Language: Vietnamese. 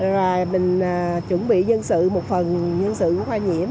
rồi mình chuẩn bị nhân sự một phần nhân sự của khoa nhiễm